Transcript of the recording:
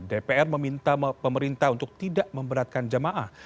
dpr meminta pemerintah untuk tidak memberatkan jamaah